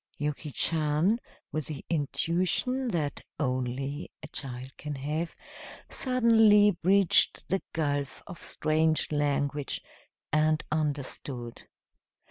Yuki Chan, with the intuition that only a child can have, suddenly bridged the gulf of strange language and understood.